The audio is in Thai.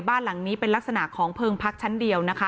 บ้านหลังนี้เป็นลักษณะของเพลิงพักชั้นเดียวนะคะ